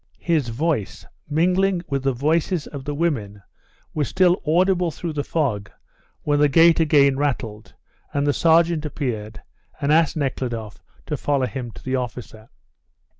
His voice mingling with the voices of the women was still audible through the fog, when the gate again rattled, and the sergeant appeared and asked Nekhludoff to follow him to the officer.